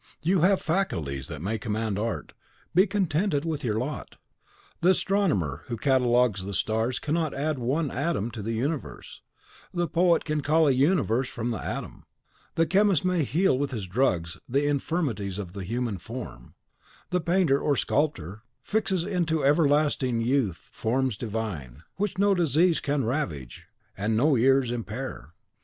You have faculties that may command art; be contented with your lot. The astronomer who catalogues the stars cannot add one atom to the universe; the poet can call a universe from the atom; the chemist may heal with his drugs the infirmities of the human form; the painter, or the sculptor, fixes into everlasting youth forms divine, which no disease can ravage, and no years impair.